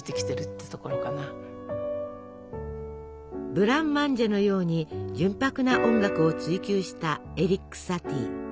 ブランマンジェのように純白な音楽を追求したエリック・サティ。